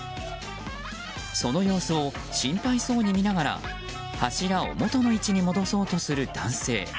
その様子を心配そうに見ながら柱を元の位置に戻そうとする男性。